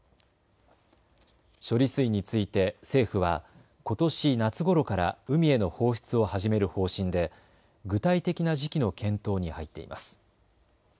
処理水について政府はことし夏ごろから海への放出を始める方針で具体的な時期の検討に入っています。